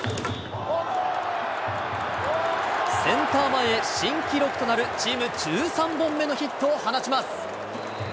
センター前へ新記録となるチーム１３本目のヒットを放ちます。